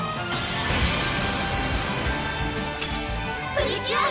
プリキュア！